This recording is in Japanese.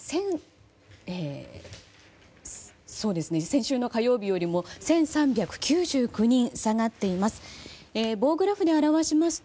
先週の火曜日よりも１３９９人下がっています。